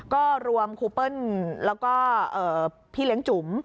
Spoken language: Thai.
ก็รวมครูเปิ้ลแล้วก็พี่เลี้ยงจุ๋ม